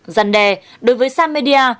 dân đề đối với sammedia